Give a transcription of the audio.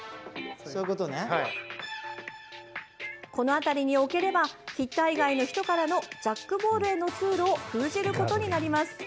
この辺りに置ければヒッター以外の人からのジャックボールへの通路を封じることになります。